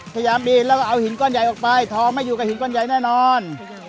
พยายามปีนแล้วก็เอาหินก้อนใหญ่ออกไปทองไม่อยู่กับหินก้อนใหญ่แน่นอน